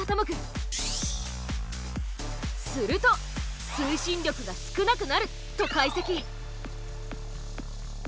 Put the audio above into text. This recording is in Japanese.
すると推進力が少なくなると解析。